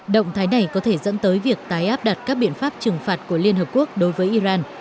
động thái này có thể dẫn tới việc tái áp đặt các biện pháp trừng phạt của liên hợp quốc đối với iran